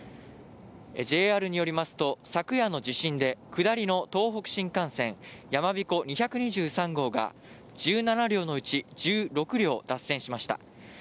ＪＲによりますと昨夜の地震で下りの東北新幹線やまびこ２２３号が１７両のうち１６両、脱線しました。